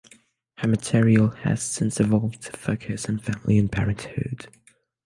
Her material has since evolved to focus on family and parenthood.